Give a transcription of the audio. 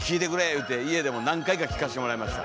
言うて家でも何回か聴かしてもらいました。